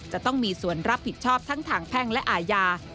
จะต้องมีส่วนรับผิดชอบทั้งทางแพ่งและอาญา